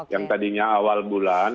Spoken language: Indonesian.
yang tadinya awal bulan